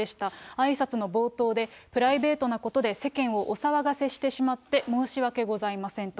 あいさつの冒頭で、プライベートなことで世間をお騒がせしてしまって申し訳ございませんと。